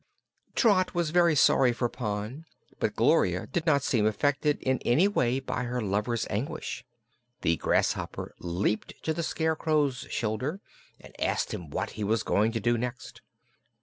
Trot was very sorry for Pon, but Gloria did not seem affected in any way by her lover's anguish. The grasshopper leaped to the Scarecrow's shoulder and asked him what he was going to do next.